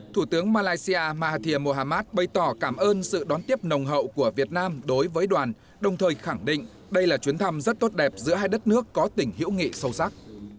thủ tướng malaysia mahathir mohamad bày tỏ cảm ơn sự đón tiếp nồng hậu của việt nam đối với đoàn đồng thời khẳng định đây là chuyến thăm rất tốt đẹp giữa hai đất nước có tình hiểu nghị sâu sắc